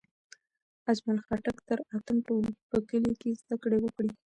اجمل خټک تر اتم ټولګی په کلي کې زدکړې وکړې.